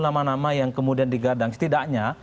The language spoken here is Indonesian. nama nama yang kemudian digadang setidaknya